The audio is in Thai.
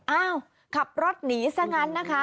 อ้าวขับรถหนีซะงั้นนะคะ